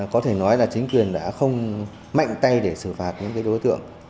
có thể nói là chính quyền đã không mạnh tay để xử phạt những đối tượng